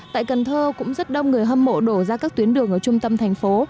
tại cần thơ cũng rất đông người hâm mộ đổ ra các tuyến đường ở trung tâm thành phố